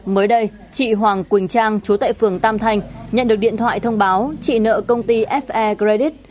mới đây chị hoàng quỳnh trang chúa tại phường tam thành nhận được điện thoại thông báo chị nợ công ty fe credit